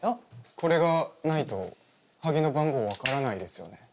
これがないと鍵の番号分からないですよね？